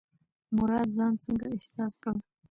مراد ځان څنګه احساس کړ؟